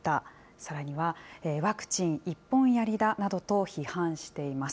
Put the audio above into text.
さらには、ワクチン一本やりだなどと批判しています。